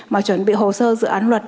mà chuẩn bị hồ sơ dự án luật